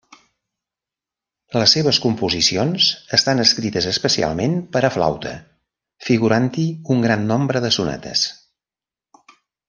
Les seves composicions estan escrites especialment per a flauta figurant-hi un gran nombre de sonates.